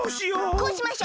こうしましょう！